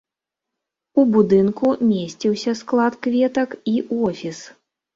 У будынку месціўся склад кветак і офіс.